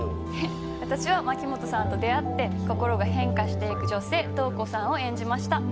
私は牧本さんと出会って心が変化していく女性塔子さんを演じました